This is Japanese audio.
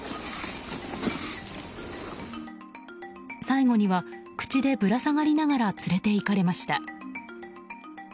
最後には口でぶら下がりながら連れていかれました。